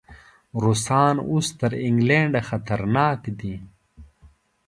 روسان اوس تر انګلینډ خطرناک دي.